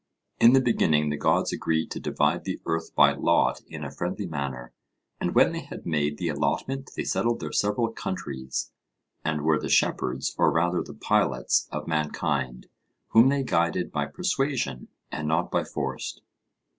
In the beginning the gods agreed to divide the earth by lot in a friendly manner, and when they had made the allotment they settled their several countries, and were the shepherds or rather the pilots of mankind, whom they guided by persuasion, and not by force.